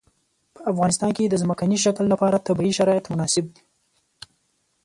په افغانستان کې د ځمکنی شکل لپاره طبیعي شرایط مناسب دي.